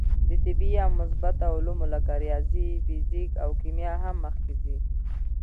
د طبعي یا مثبته علومو لکه ریاضي، فیزیک او کیمیا هم مخکې ځي.